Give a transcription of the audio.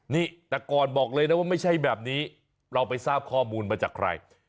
นี่แต่ก่อนบอกเลยนะว่าไม่ใช่แบบนี้เราไปทราบข้อมูลมาจากใคร